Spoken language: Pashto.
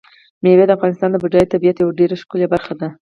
مېوې د افغانستان د بډایه طبیعت یوه ډېره ښکلې برخه ده.